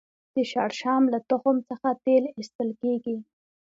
د شړشم له تخم څخه تېل ایستل کیږي